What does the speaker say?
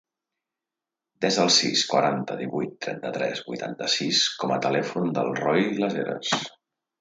Desa el sis, quaranta, divuit, trenta-tres, vuitanta-sis com a telèfon del Roi Las Heras.